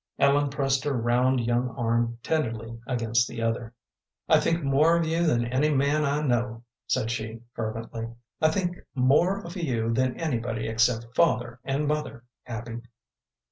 Ellen pressed her round young arm tenderly against the other. "I think more of you than any man I know," said she, fervently. "I think more of you than anybody except father and mother, Abby."